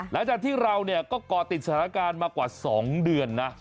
หลังจากที่เราก็ก่อติดสถานการณ์มากว่า๒เดือนนะ